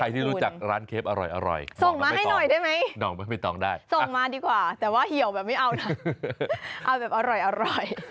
ที่รู้จักร้านเคฟอร่อยส่งมาให้หน่อยได้ไหมน้องไม่ต้องได้ส่งมาดีกว่าแต่ว่าเหี่ยวแบบไม่เอานะเอาแบบอร่อย